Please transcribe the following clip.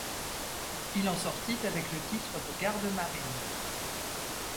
Il en sortit avec le titre de garde-marine.